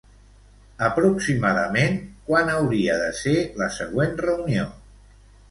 Aproximadament, quan hauria de ser la següent reunió?